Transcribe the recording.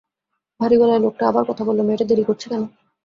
ভারি গলার লোকটা আবার কথা বলল, মেয়েটা দেরি করছে কেন?